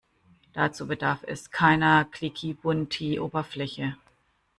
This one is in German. Dazu bedarf es keiner klickibunti Oberfläche.